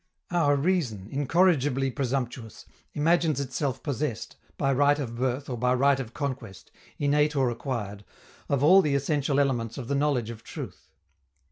Our reason, incorrigibly presumptuous, imagines itself possessed, by right of birth or by right of conquest, innate or acquired, of all the essential elements of the knowledge of truth.